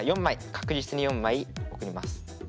確実に４枚送ります。